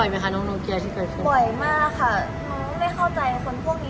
บ่อยมากค่ะน้องไม่เข้าใจคนพวกนี้เหมือนกัน